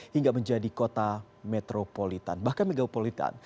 hingga menjadi kota metropolitan bahkan metropolitan